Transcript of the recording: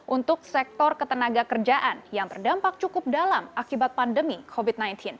untuk sektor ketenaga kerjaan yang terdampak cukup dalam akibat pandemi covid sembilan belas